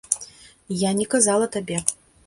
Я не казала табе.